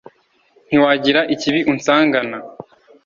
ntiwagira ikibi unsangana